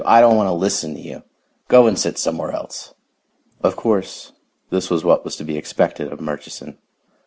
I don't want to listen to you. Go and sit somewhere else." Of course, this was what was to be expected of Murchison.